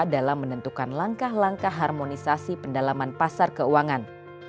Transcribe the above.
dalam menentukan langkah langkah harmonisasi pendalaman pasar keuangan